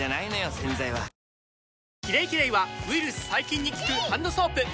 洗剤は「キレイキレイ」はウイルス・細菌に効くハンドソープ！